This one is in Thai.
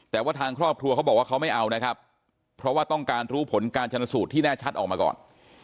แต่ว่าทางครอบครัวเขาบอกว่าเขาไม่เอานะครับเพราะว่าต้องการรู้ผลการชนสูตรที่แน่ชัดออกมาก่อน